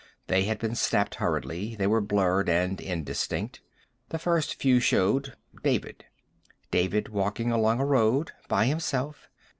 They had been snapped hurriedly; they were blurred and indistinct. The first few showed David. David walking along a road, by himself.